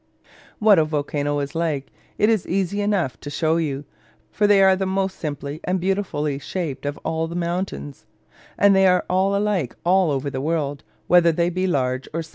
What a volcano is like, it is easy enough to show you; for they are the most simply and beautifully shaped of all mountains, and they are alike all over the world, whether they be large or small.